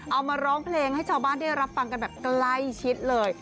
เอามาร้องเพลงให้ชาวบ้านได้รับฟังกันแบบใกล้ชิดเลย